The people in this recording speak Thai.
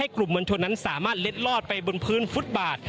ก็จะสามารถเล็ดลอดไปบนพื้นฟุตบาท